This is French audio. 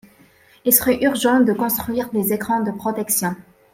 Il serait urgent de construire des écrans de protection.